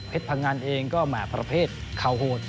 เพชรพังงานเองก็แหม่ประเภทเข้าโหด